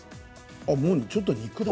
ああ、もうちょっと肉だ。